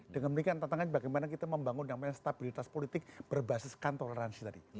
dengan bingkai tantangannya bagaimana kita membangun yang namanya stabilitas politik berbasiskan toleransi tadi